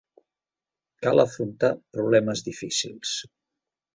Cal afrontar problemes difícils.